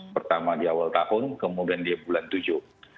pertama di awal tahun kemudian dia bulan tujuh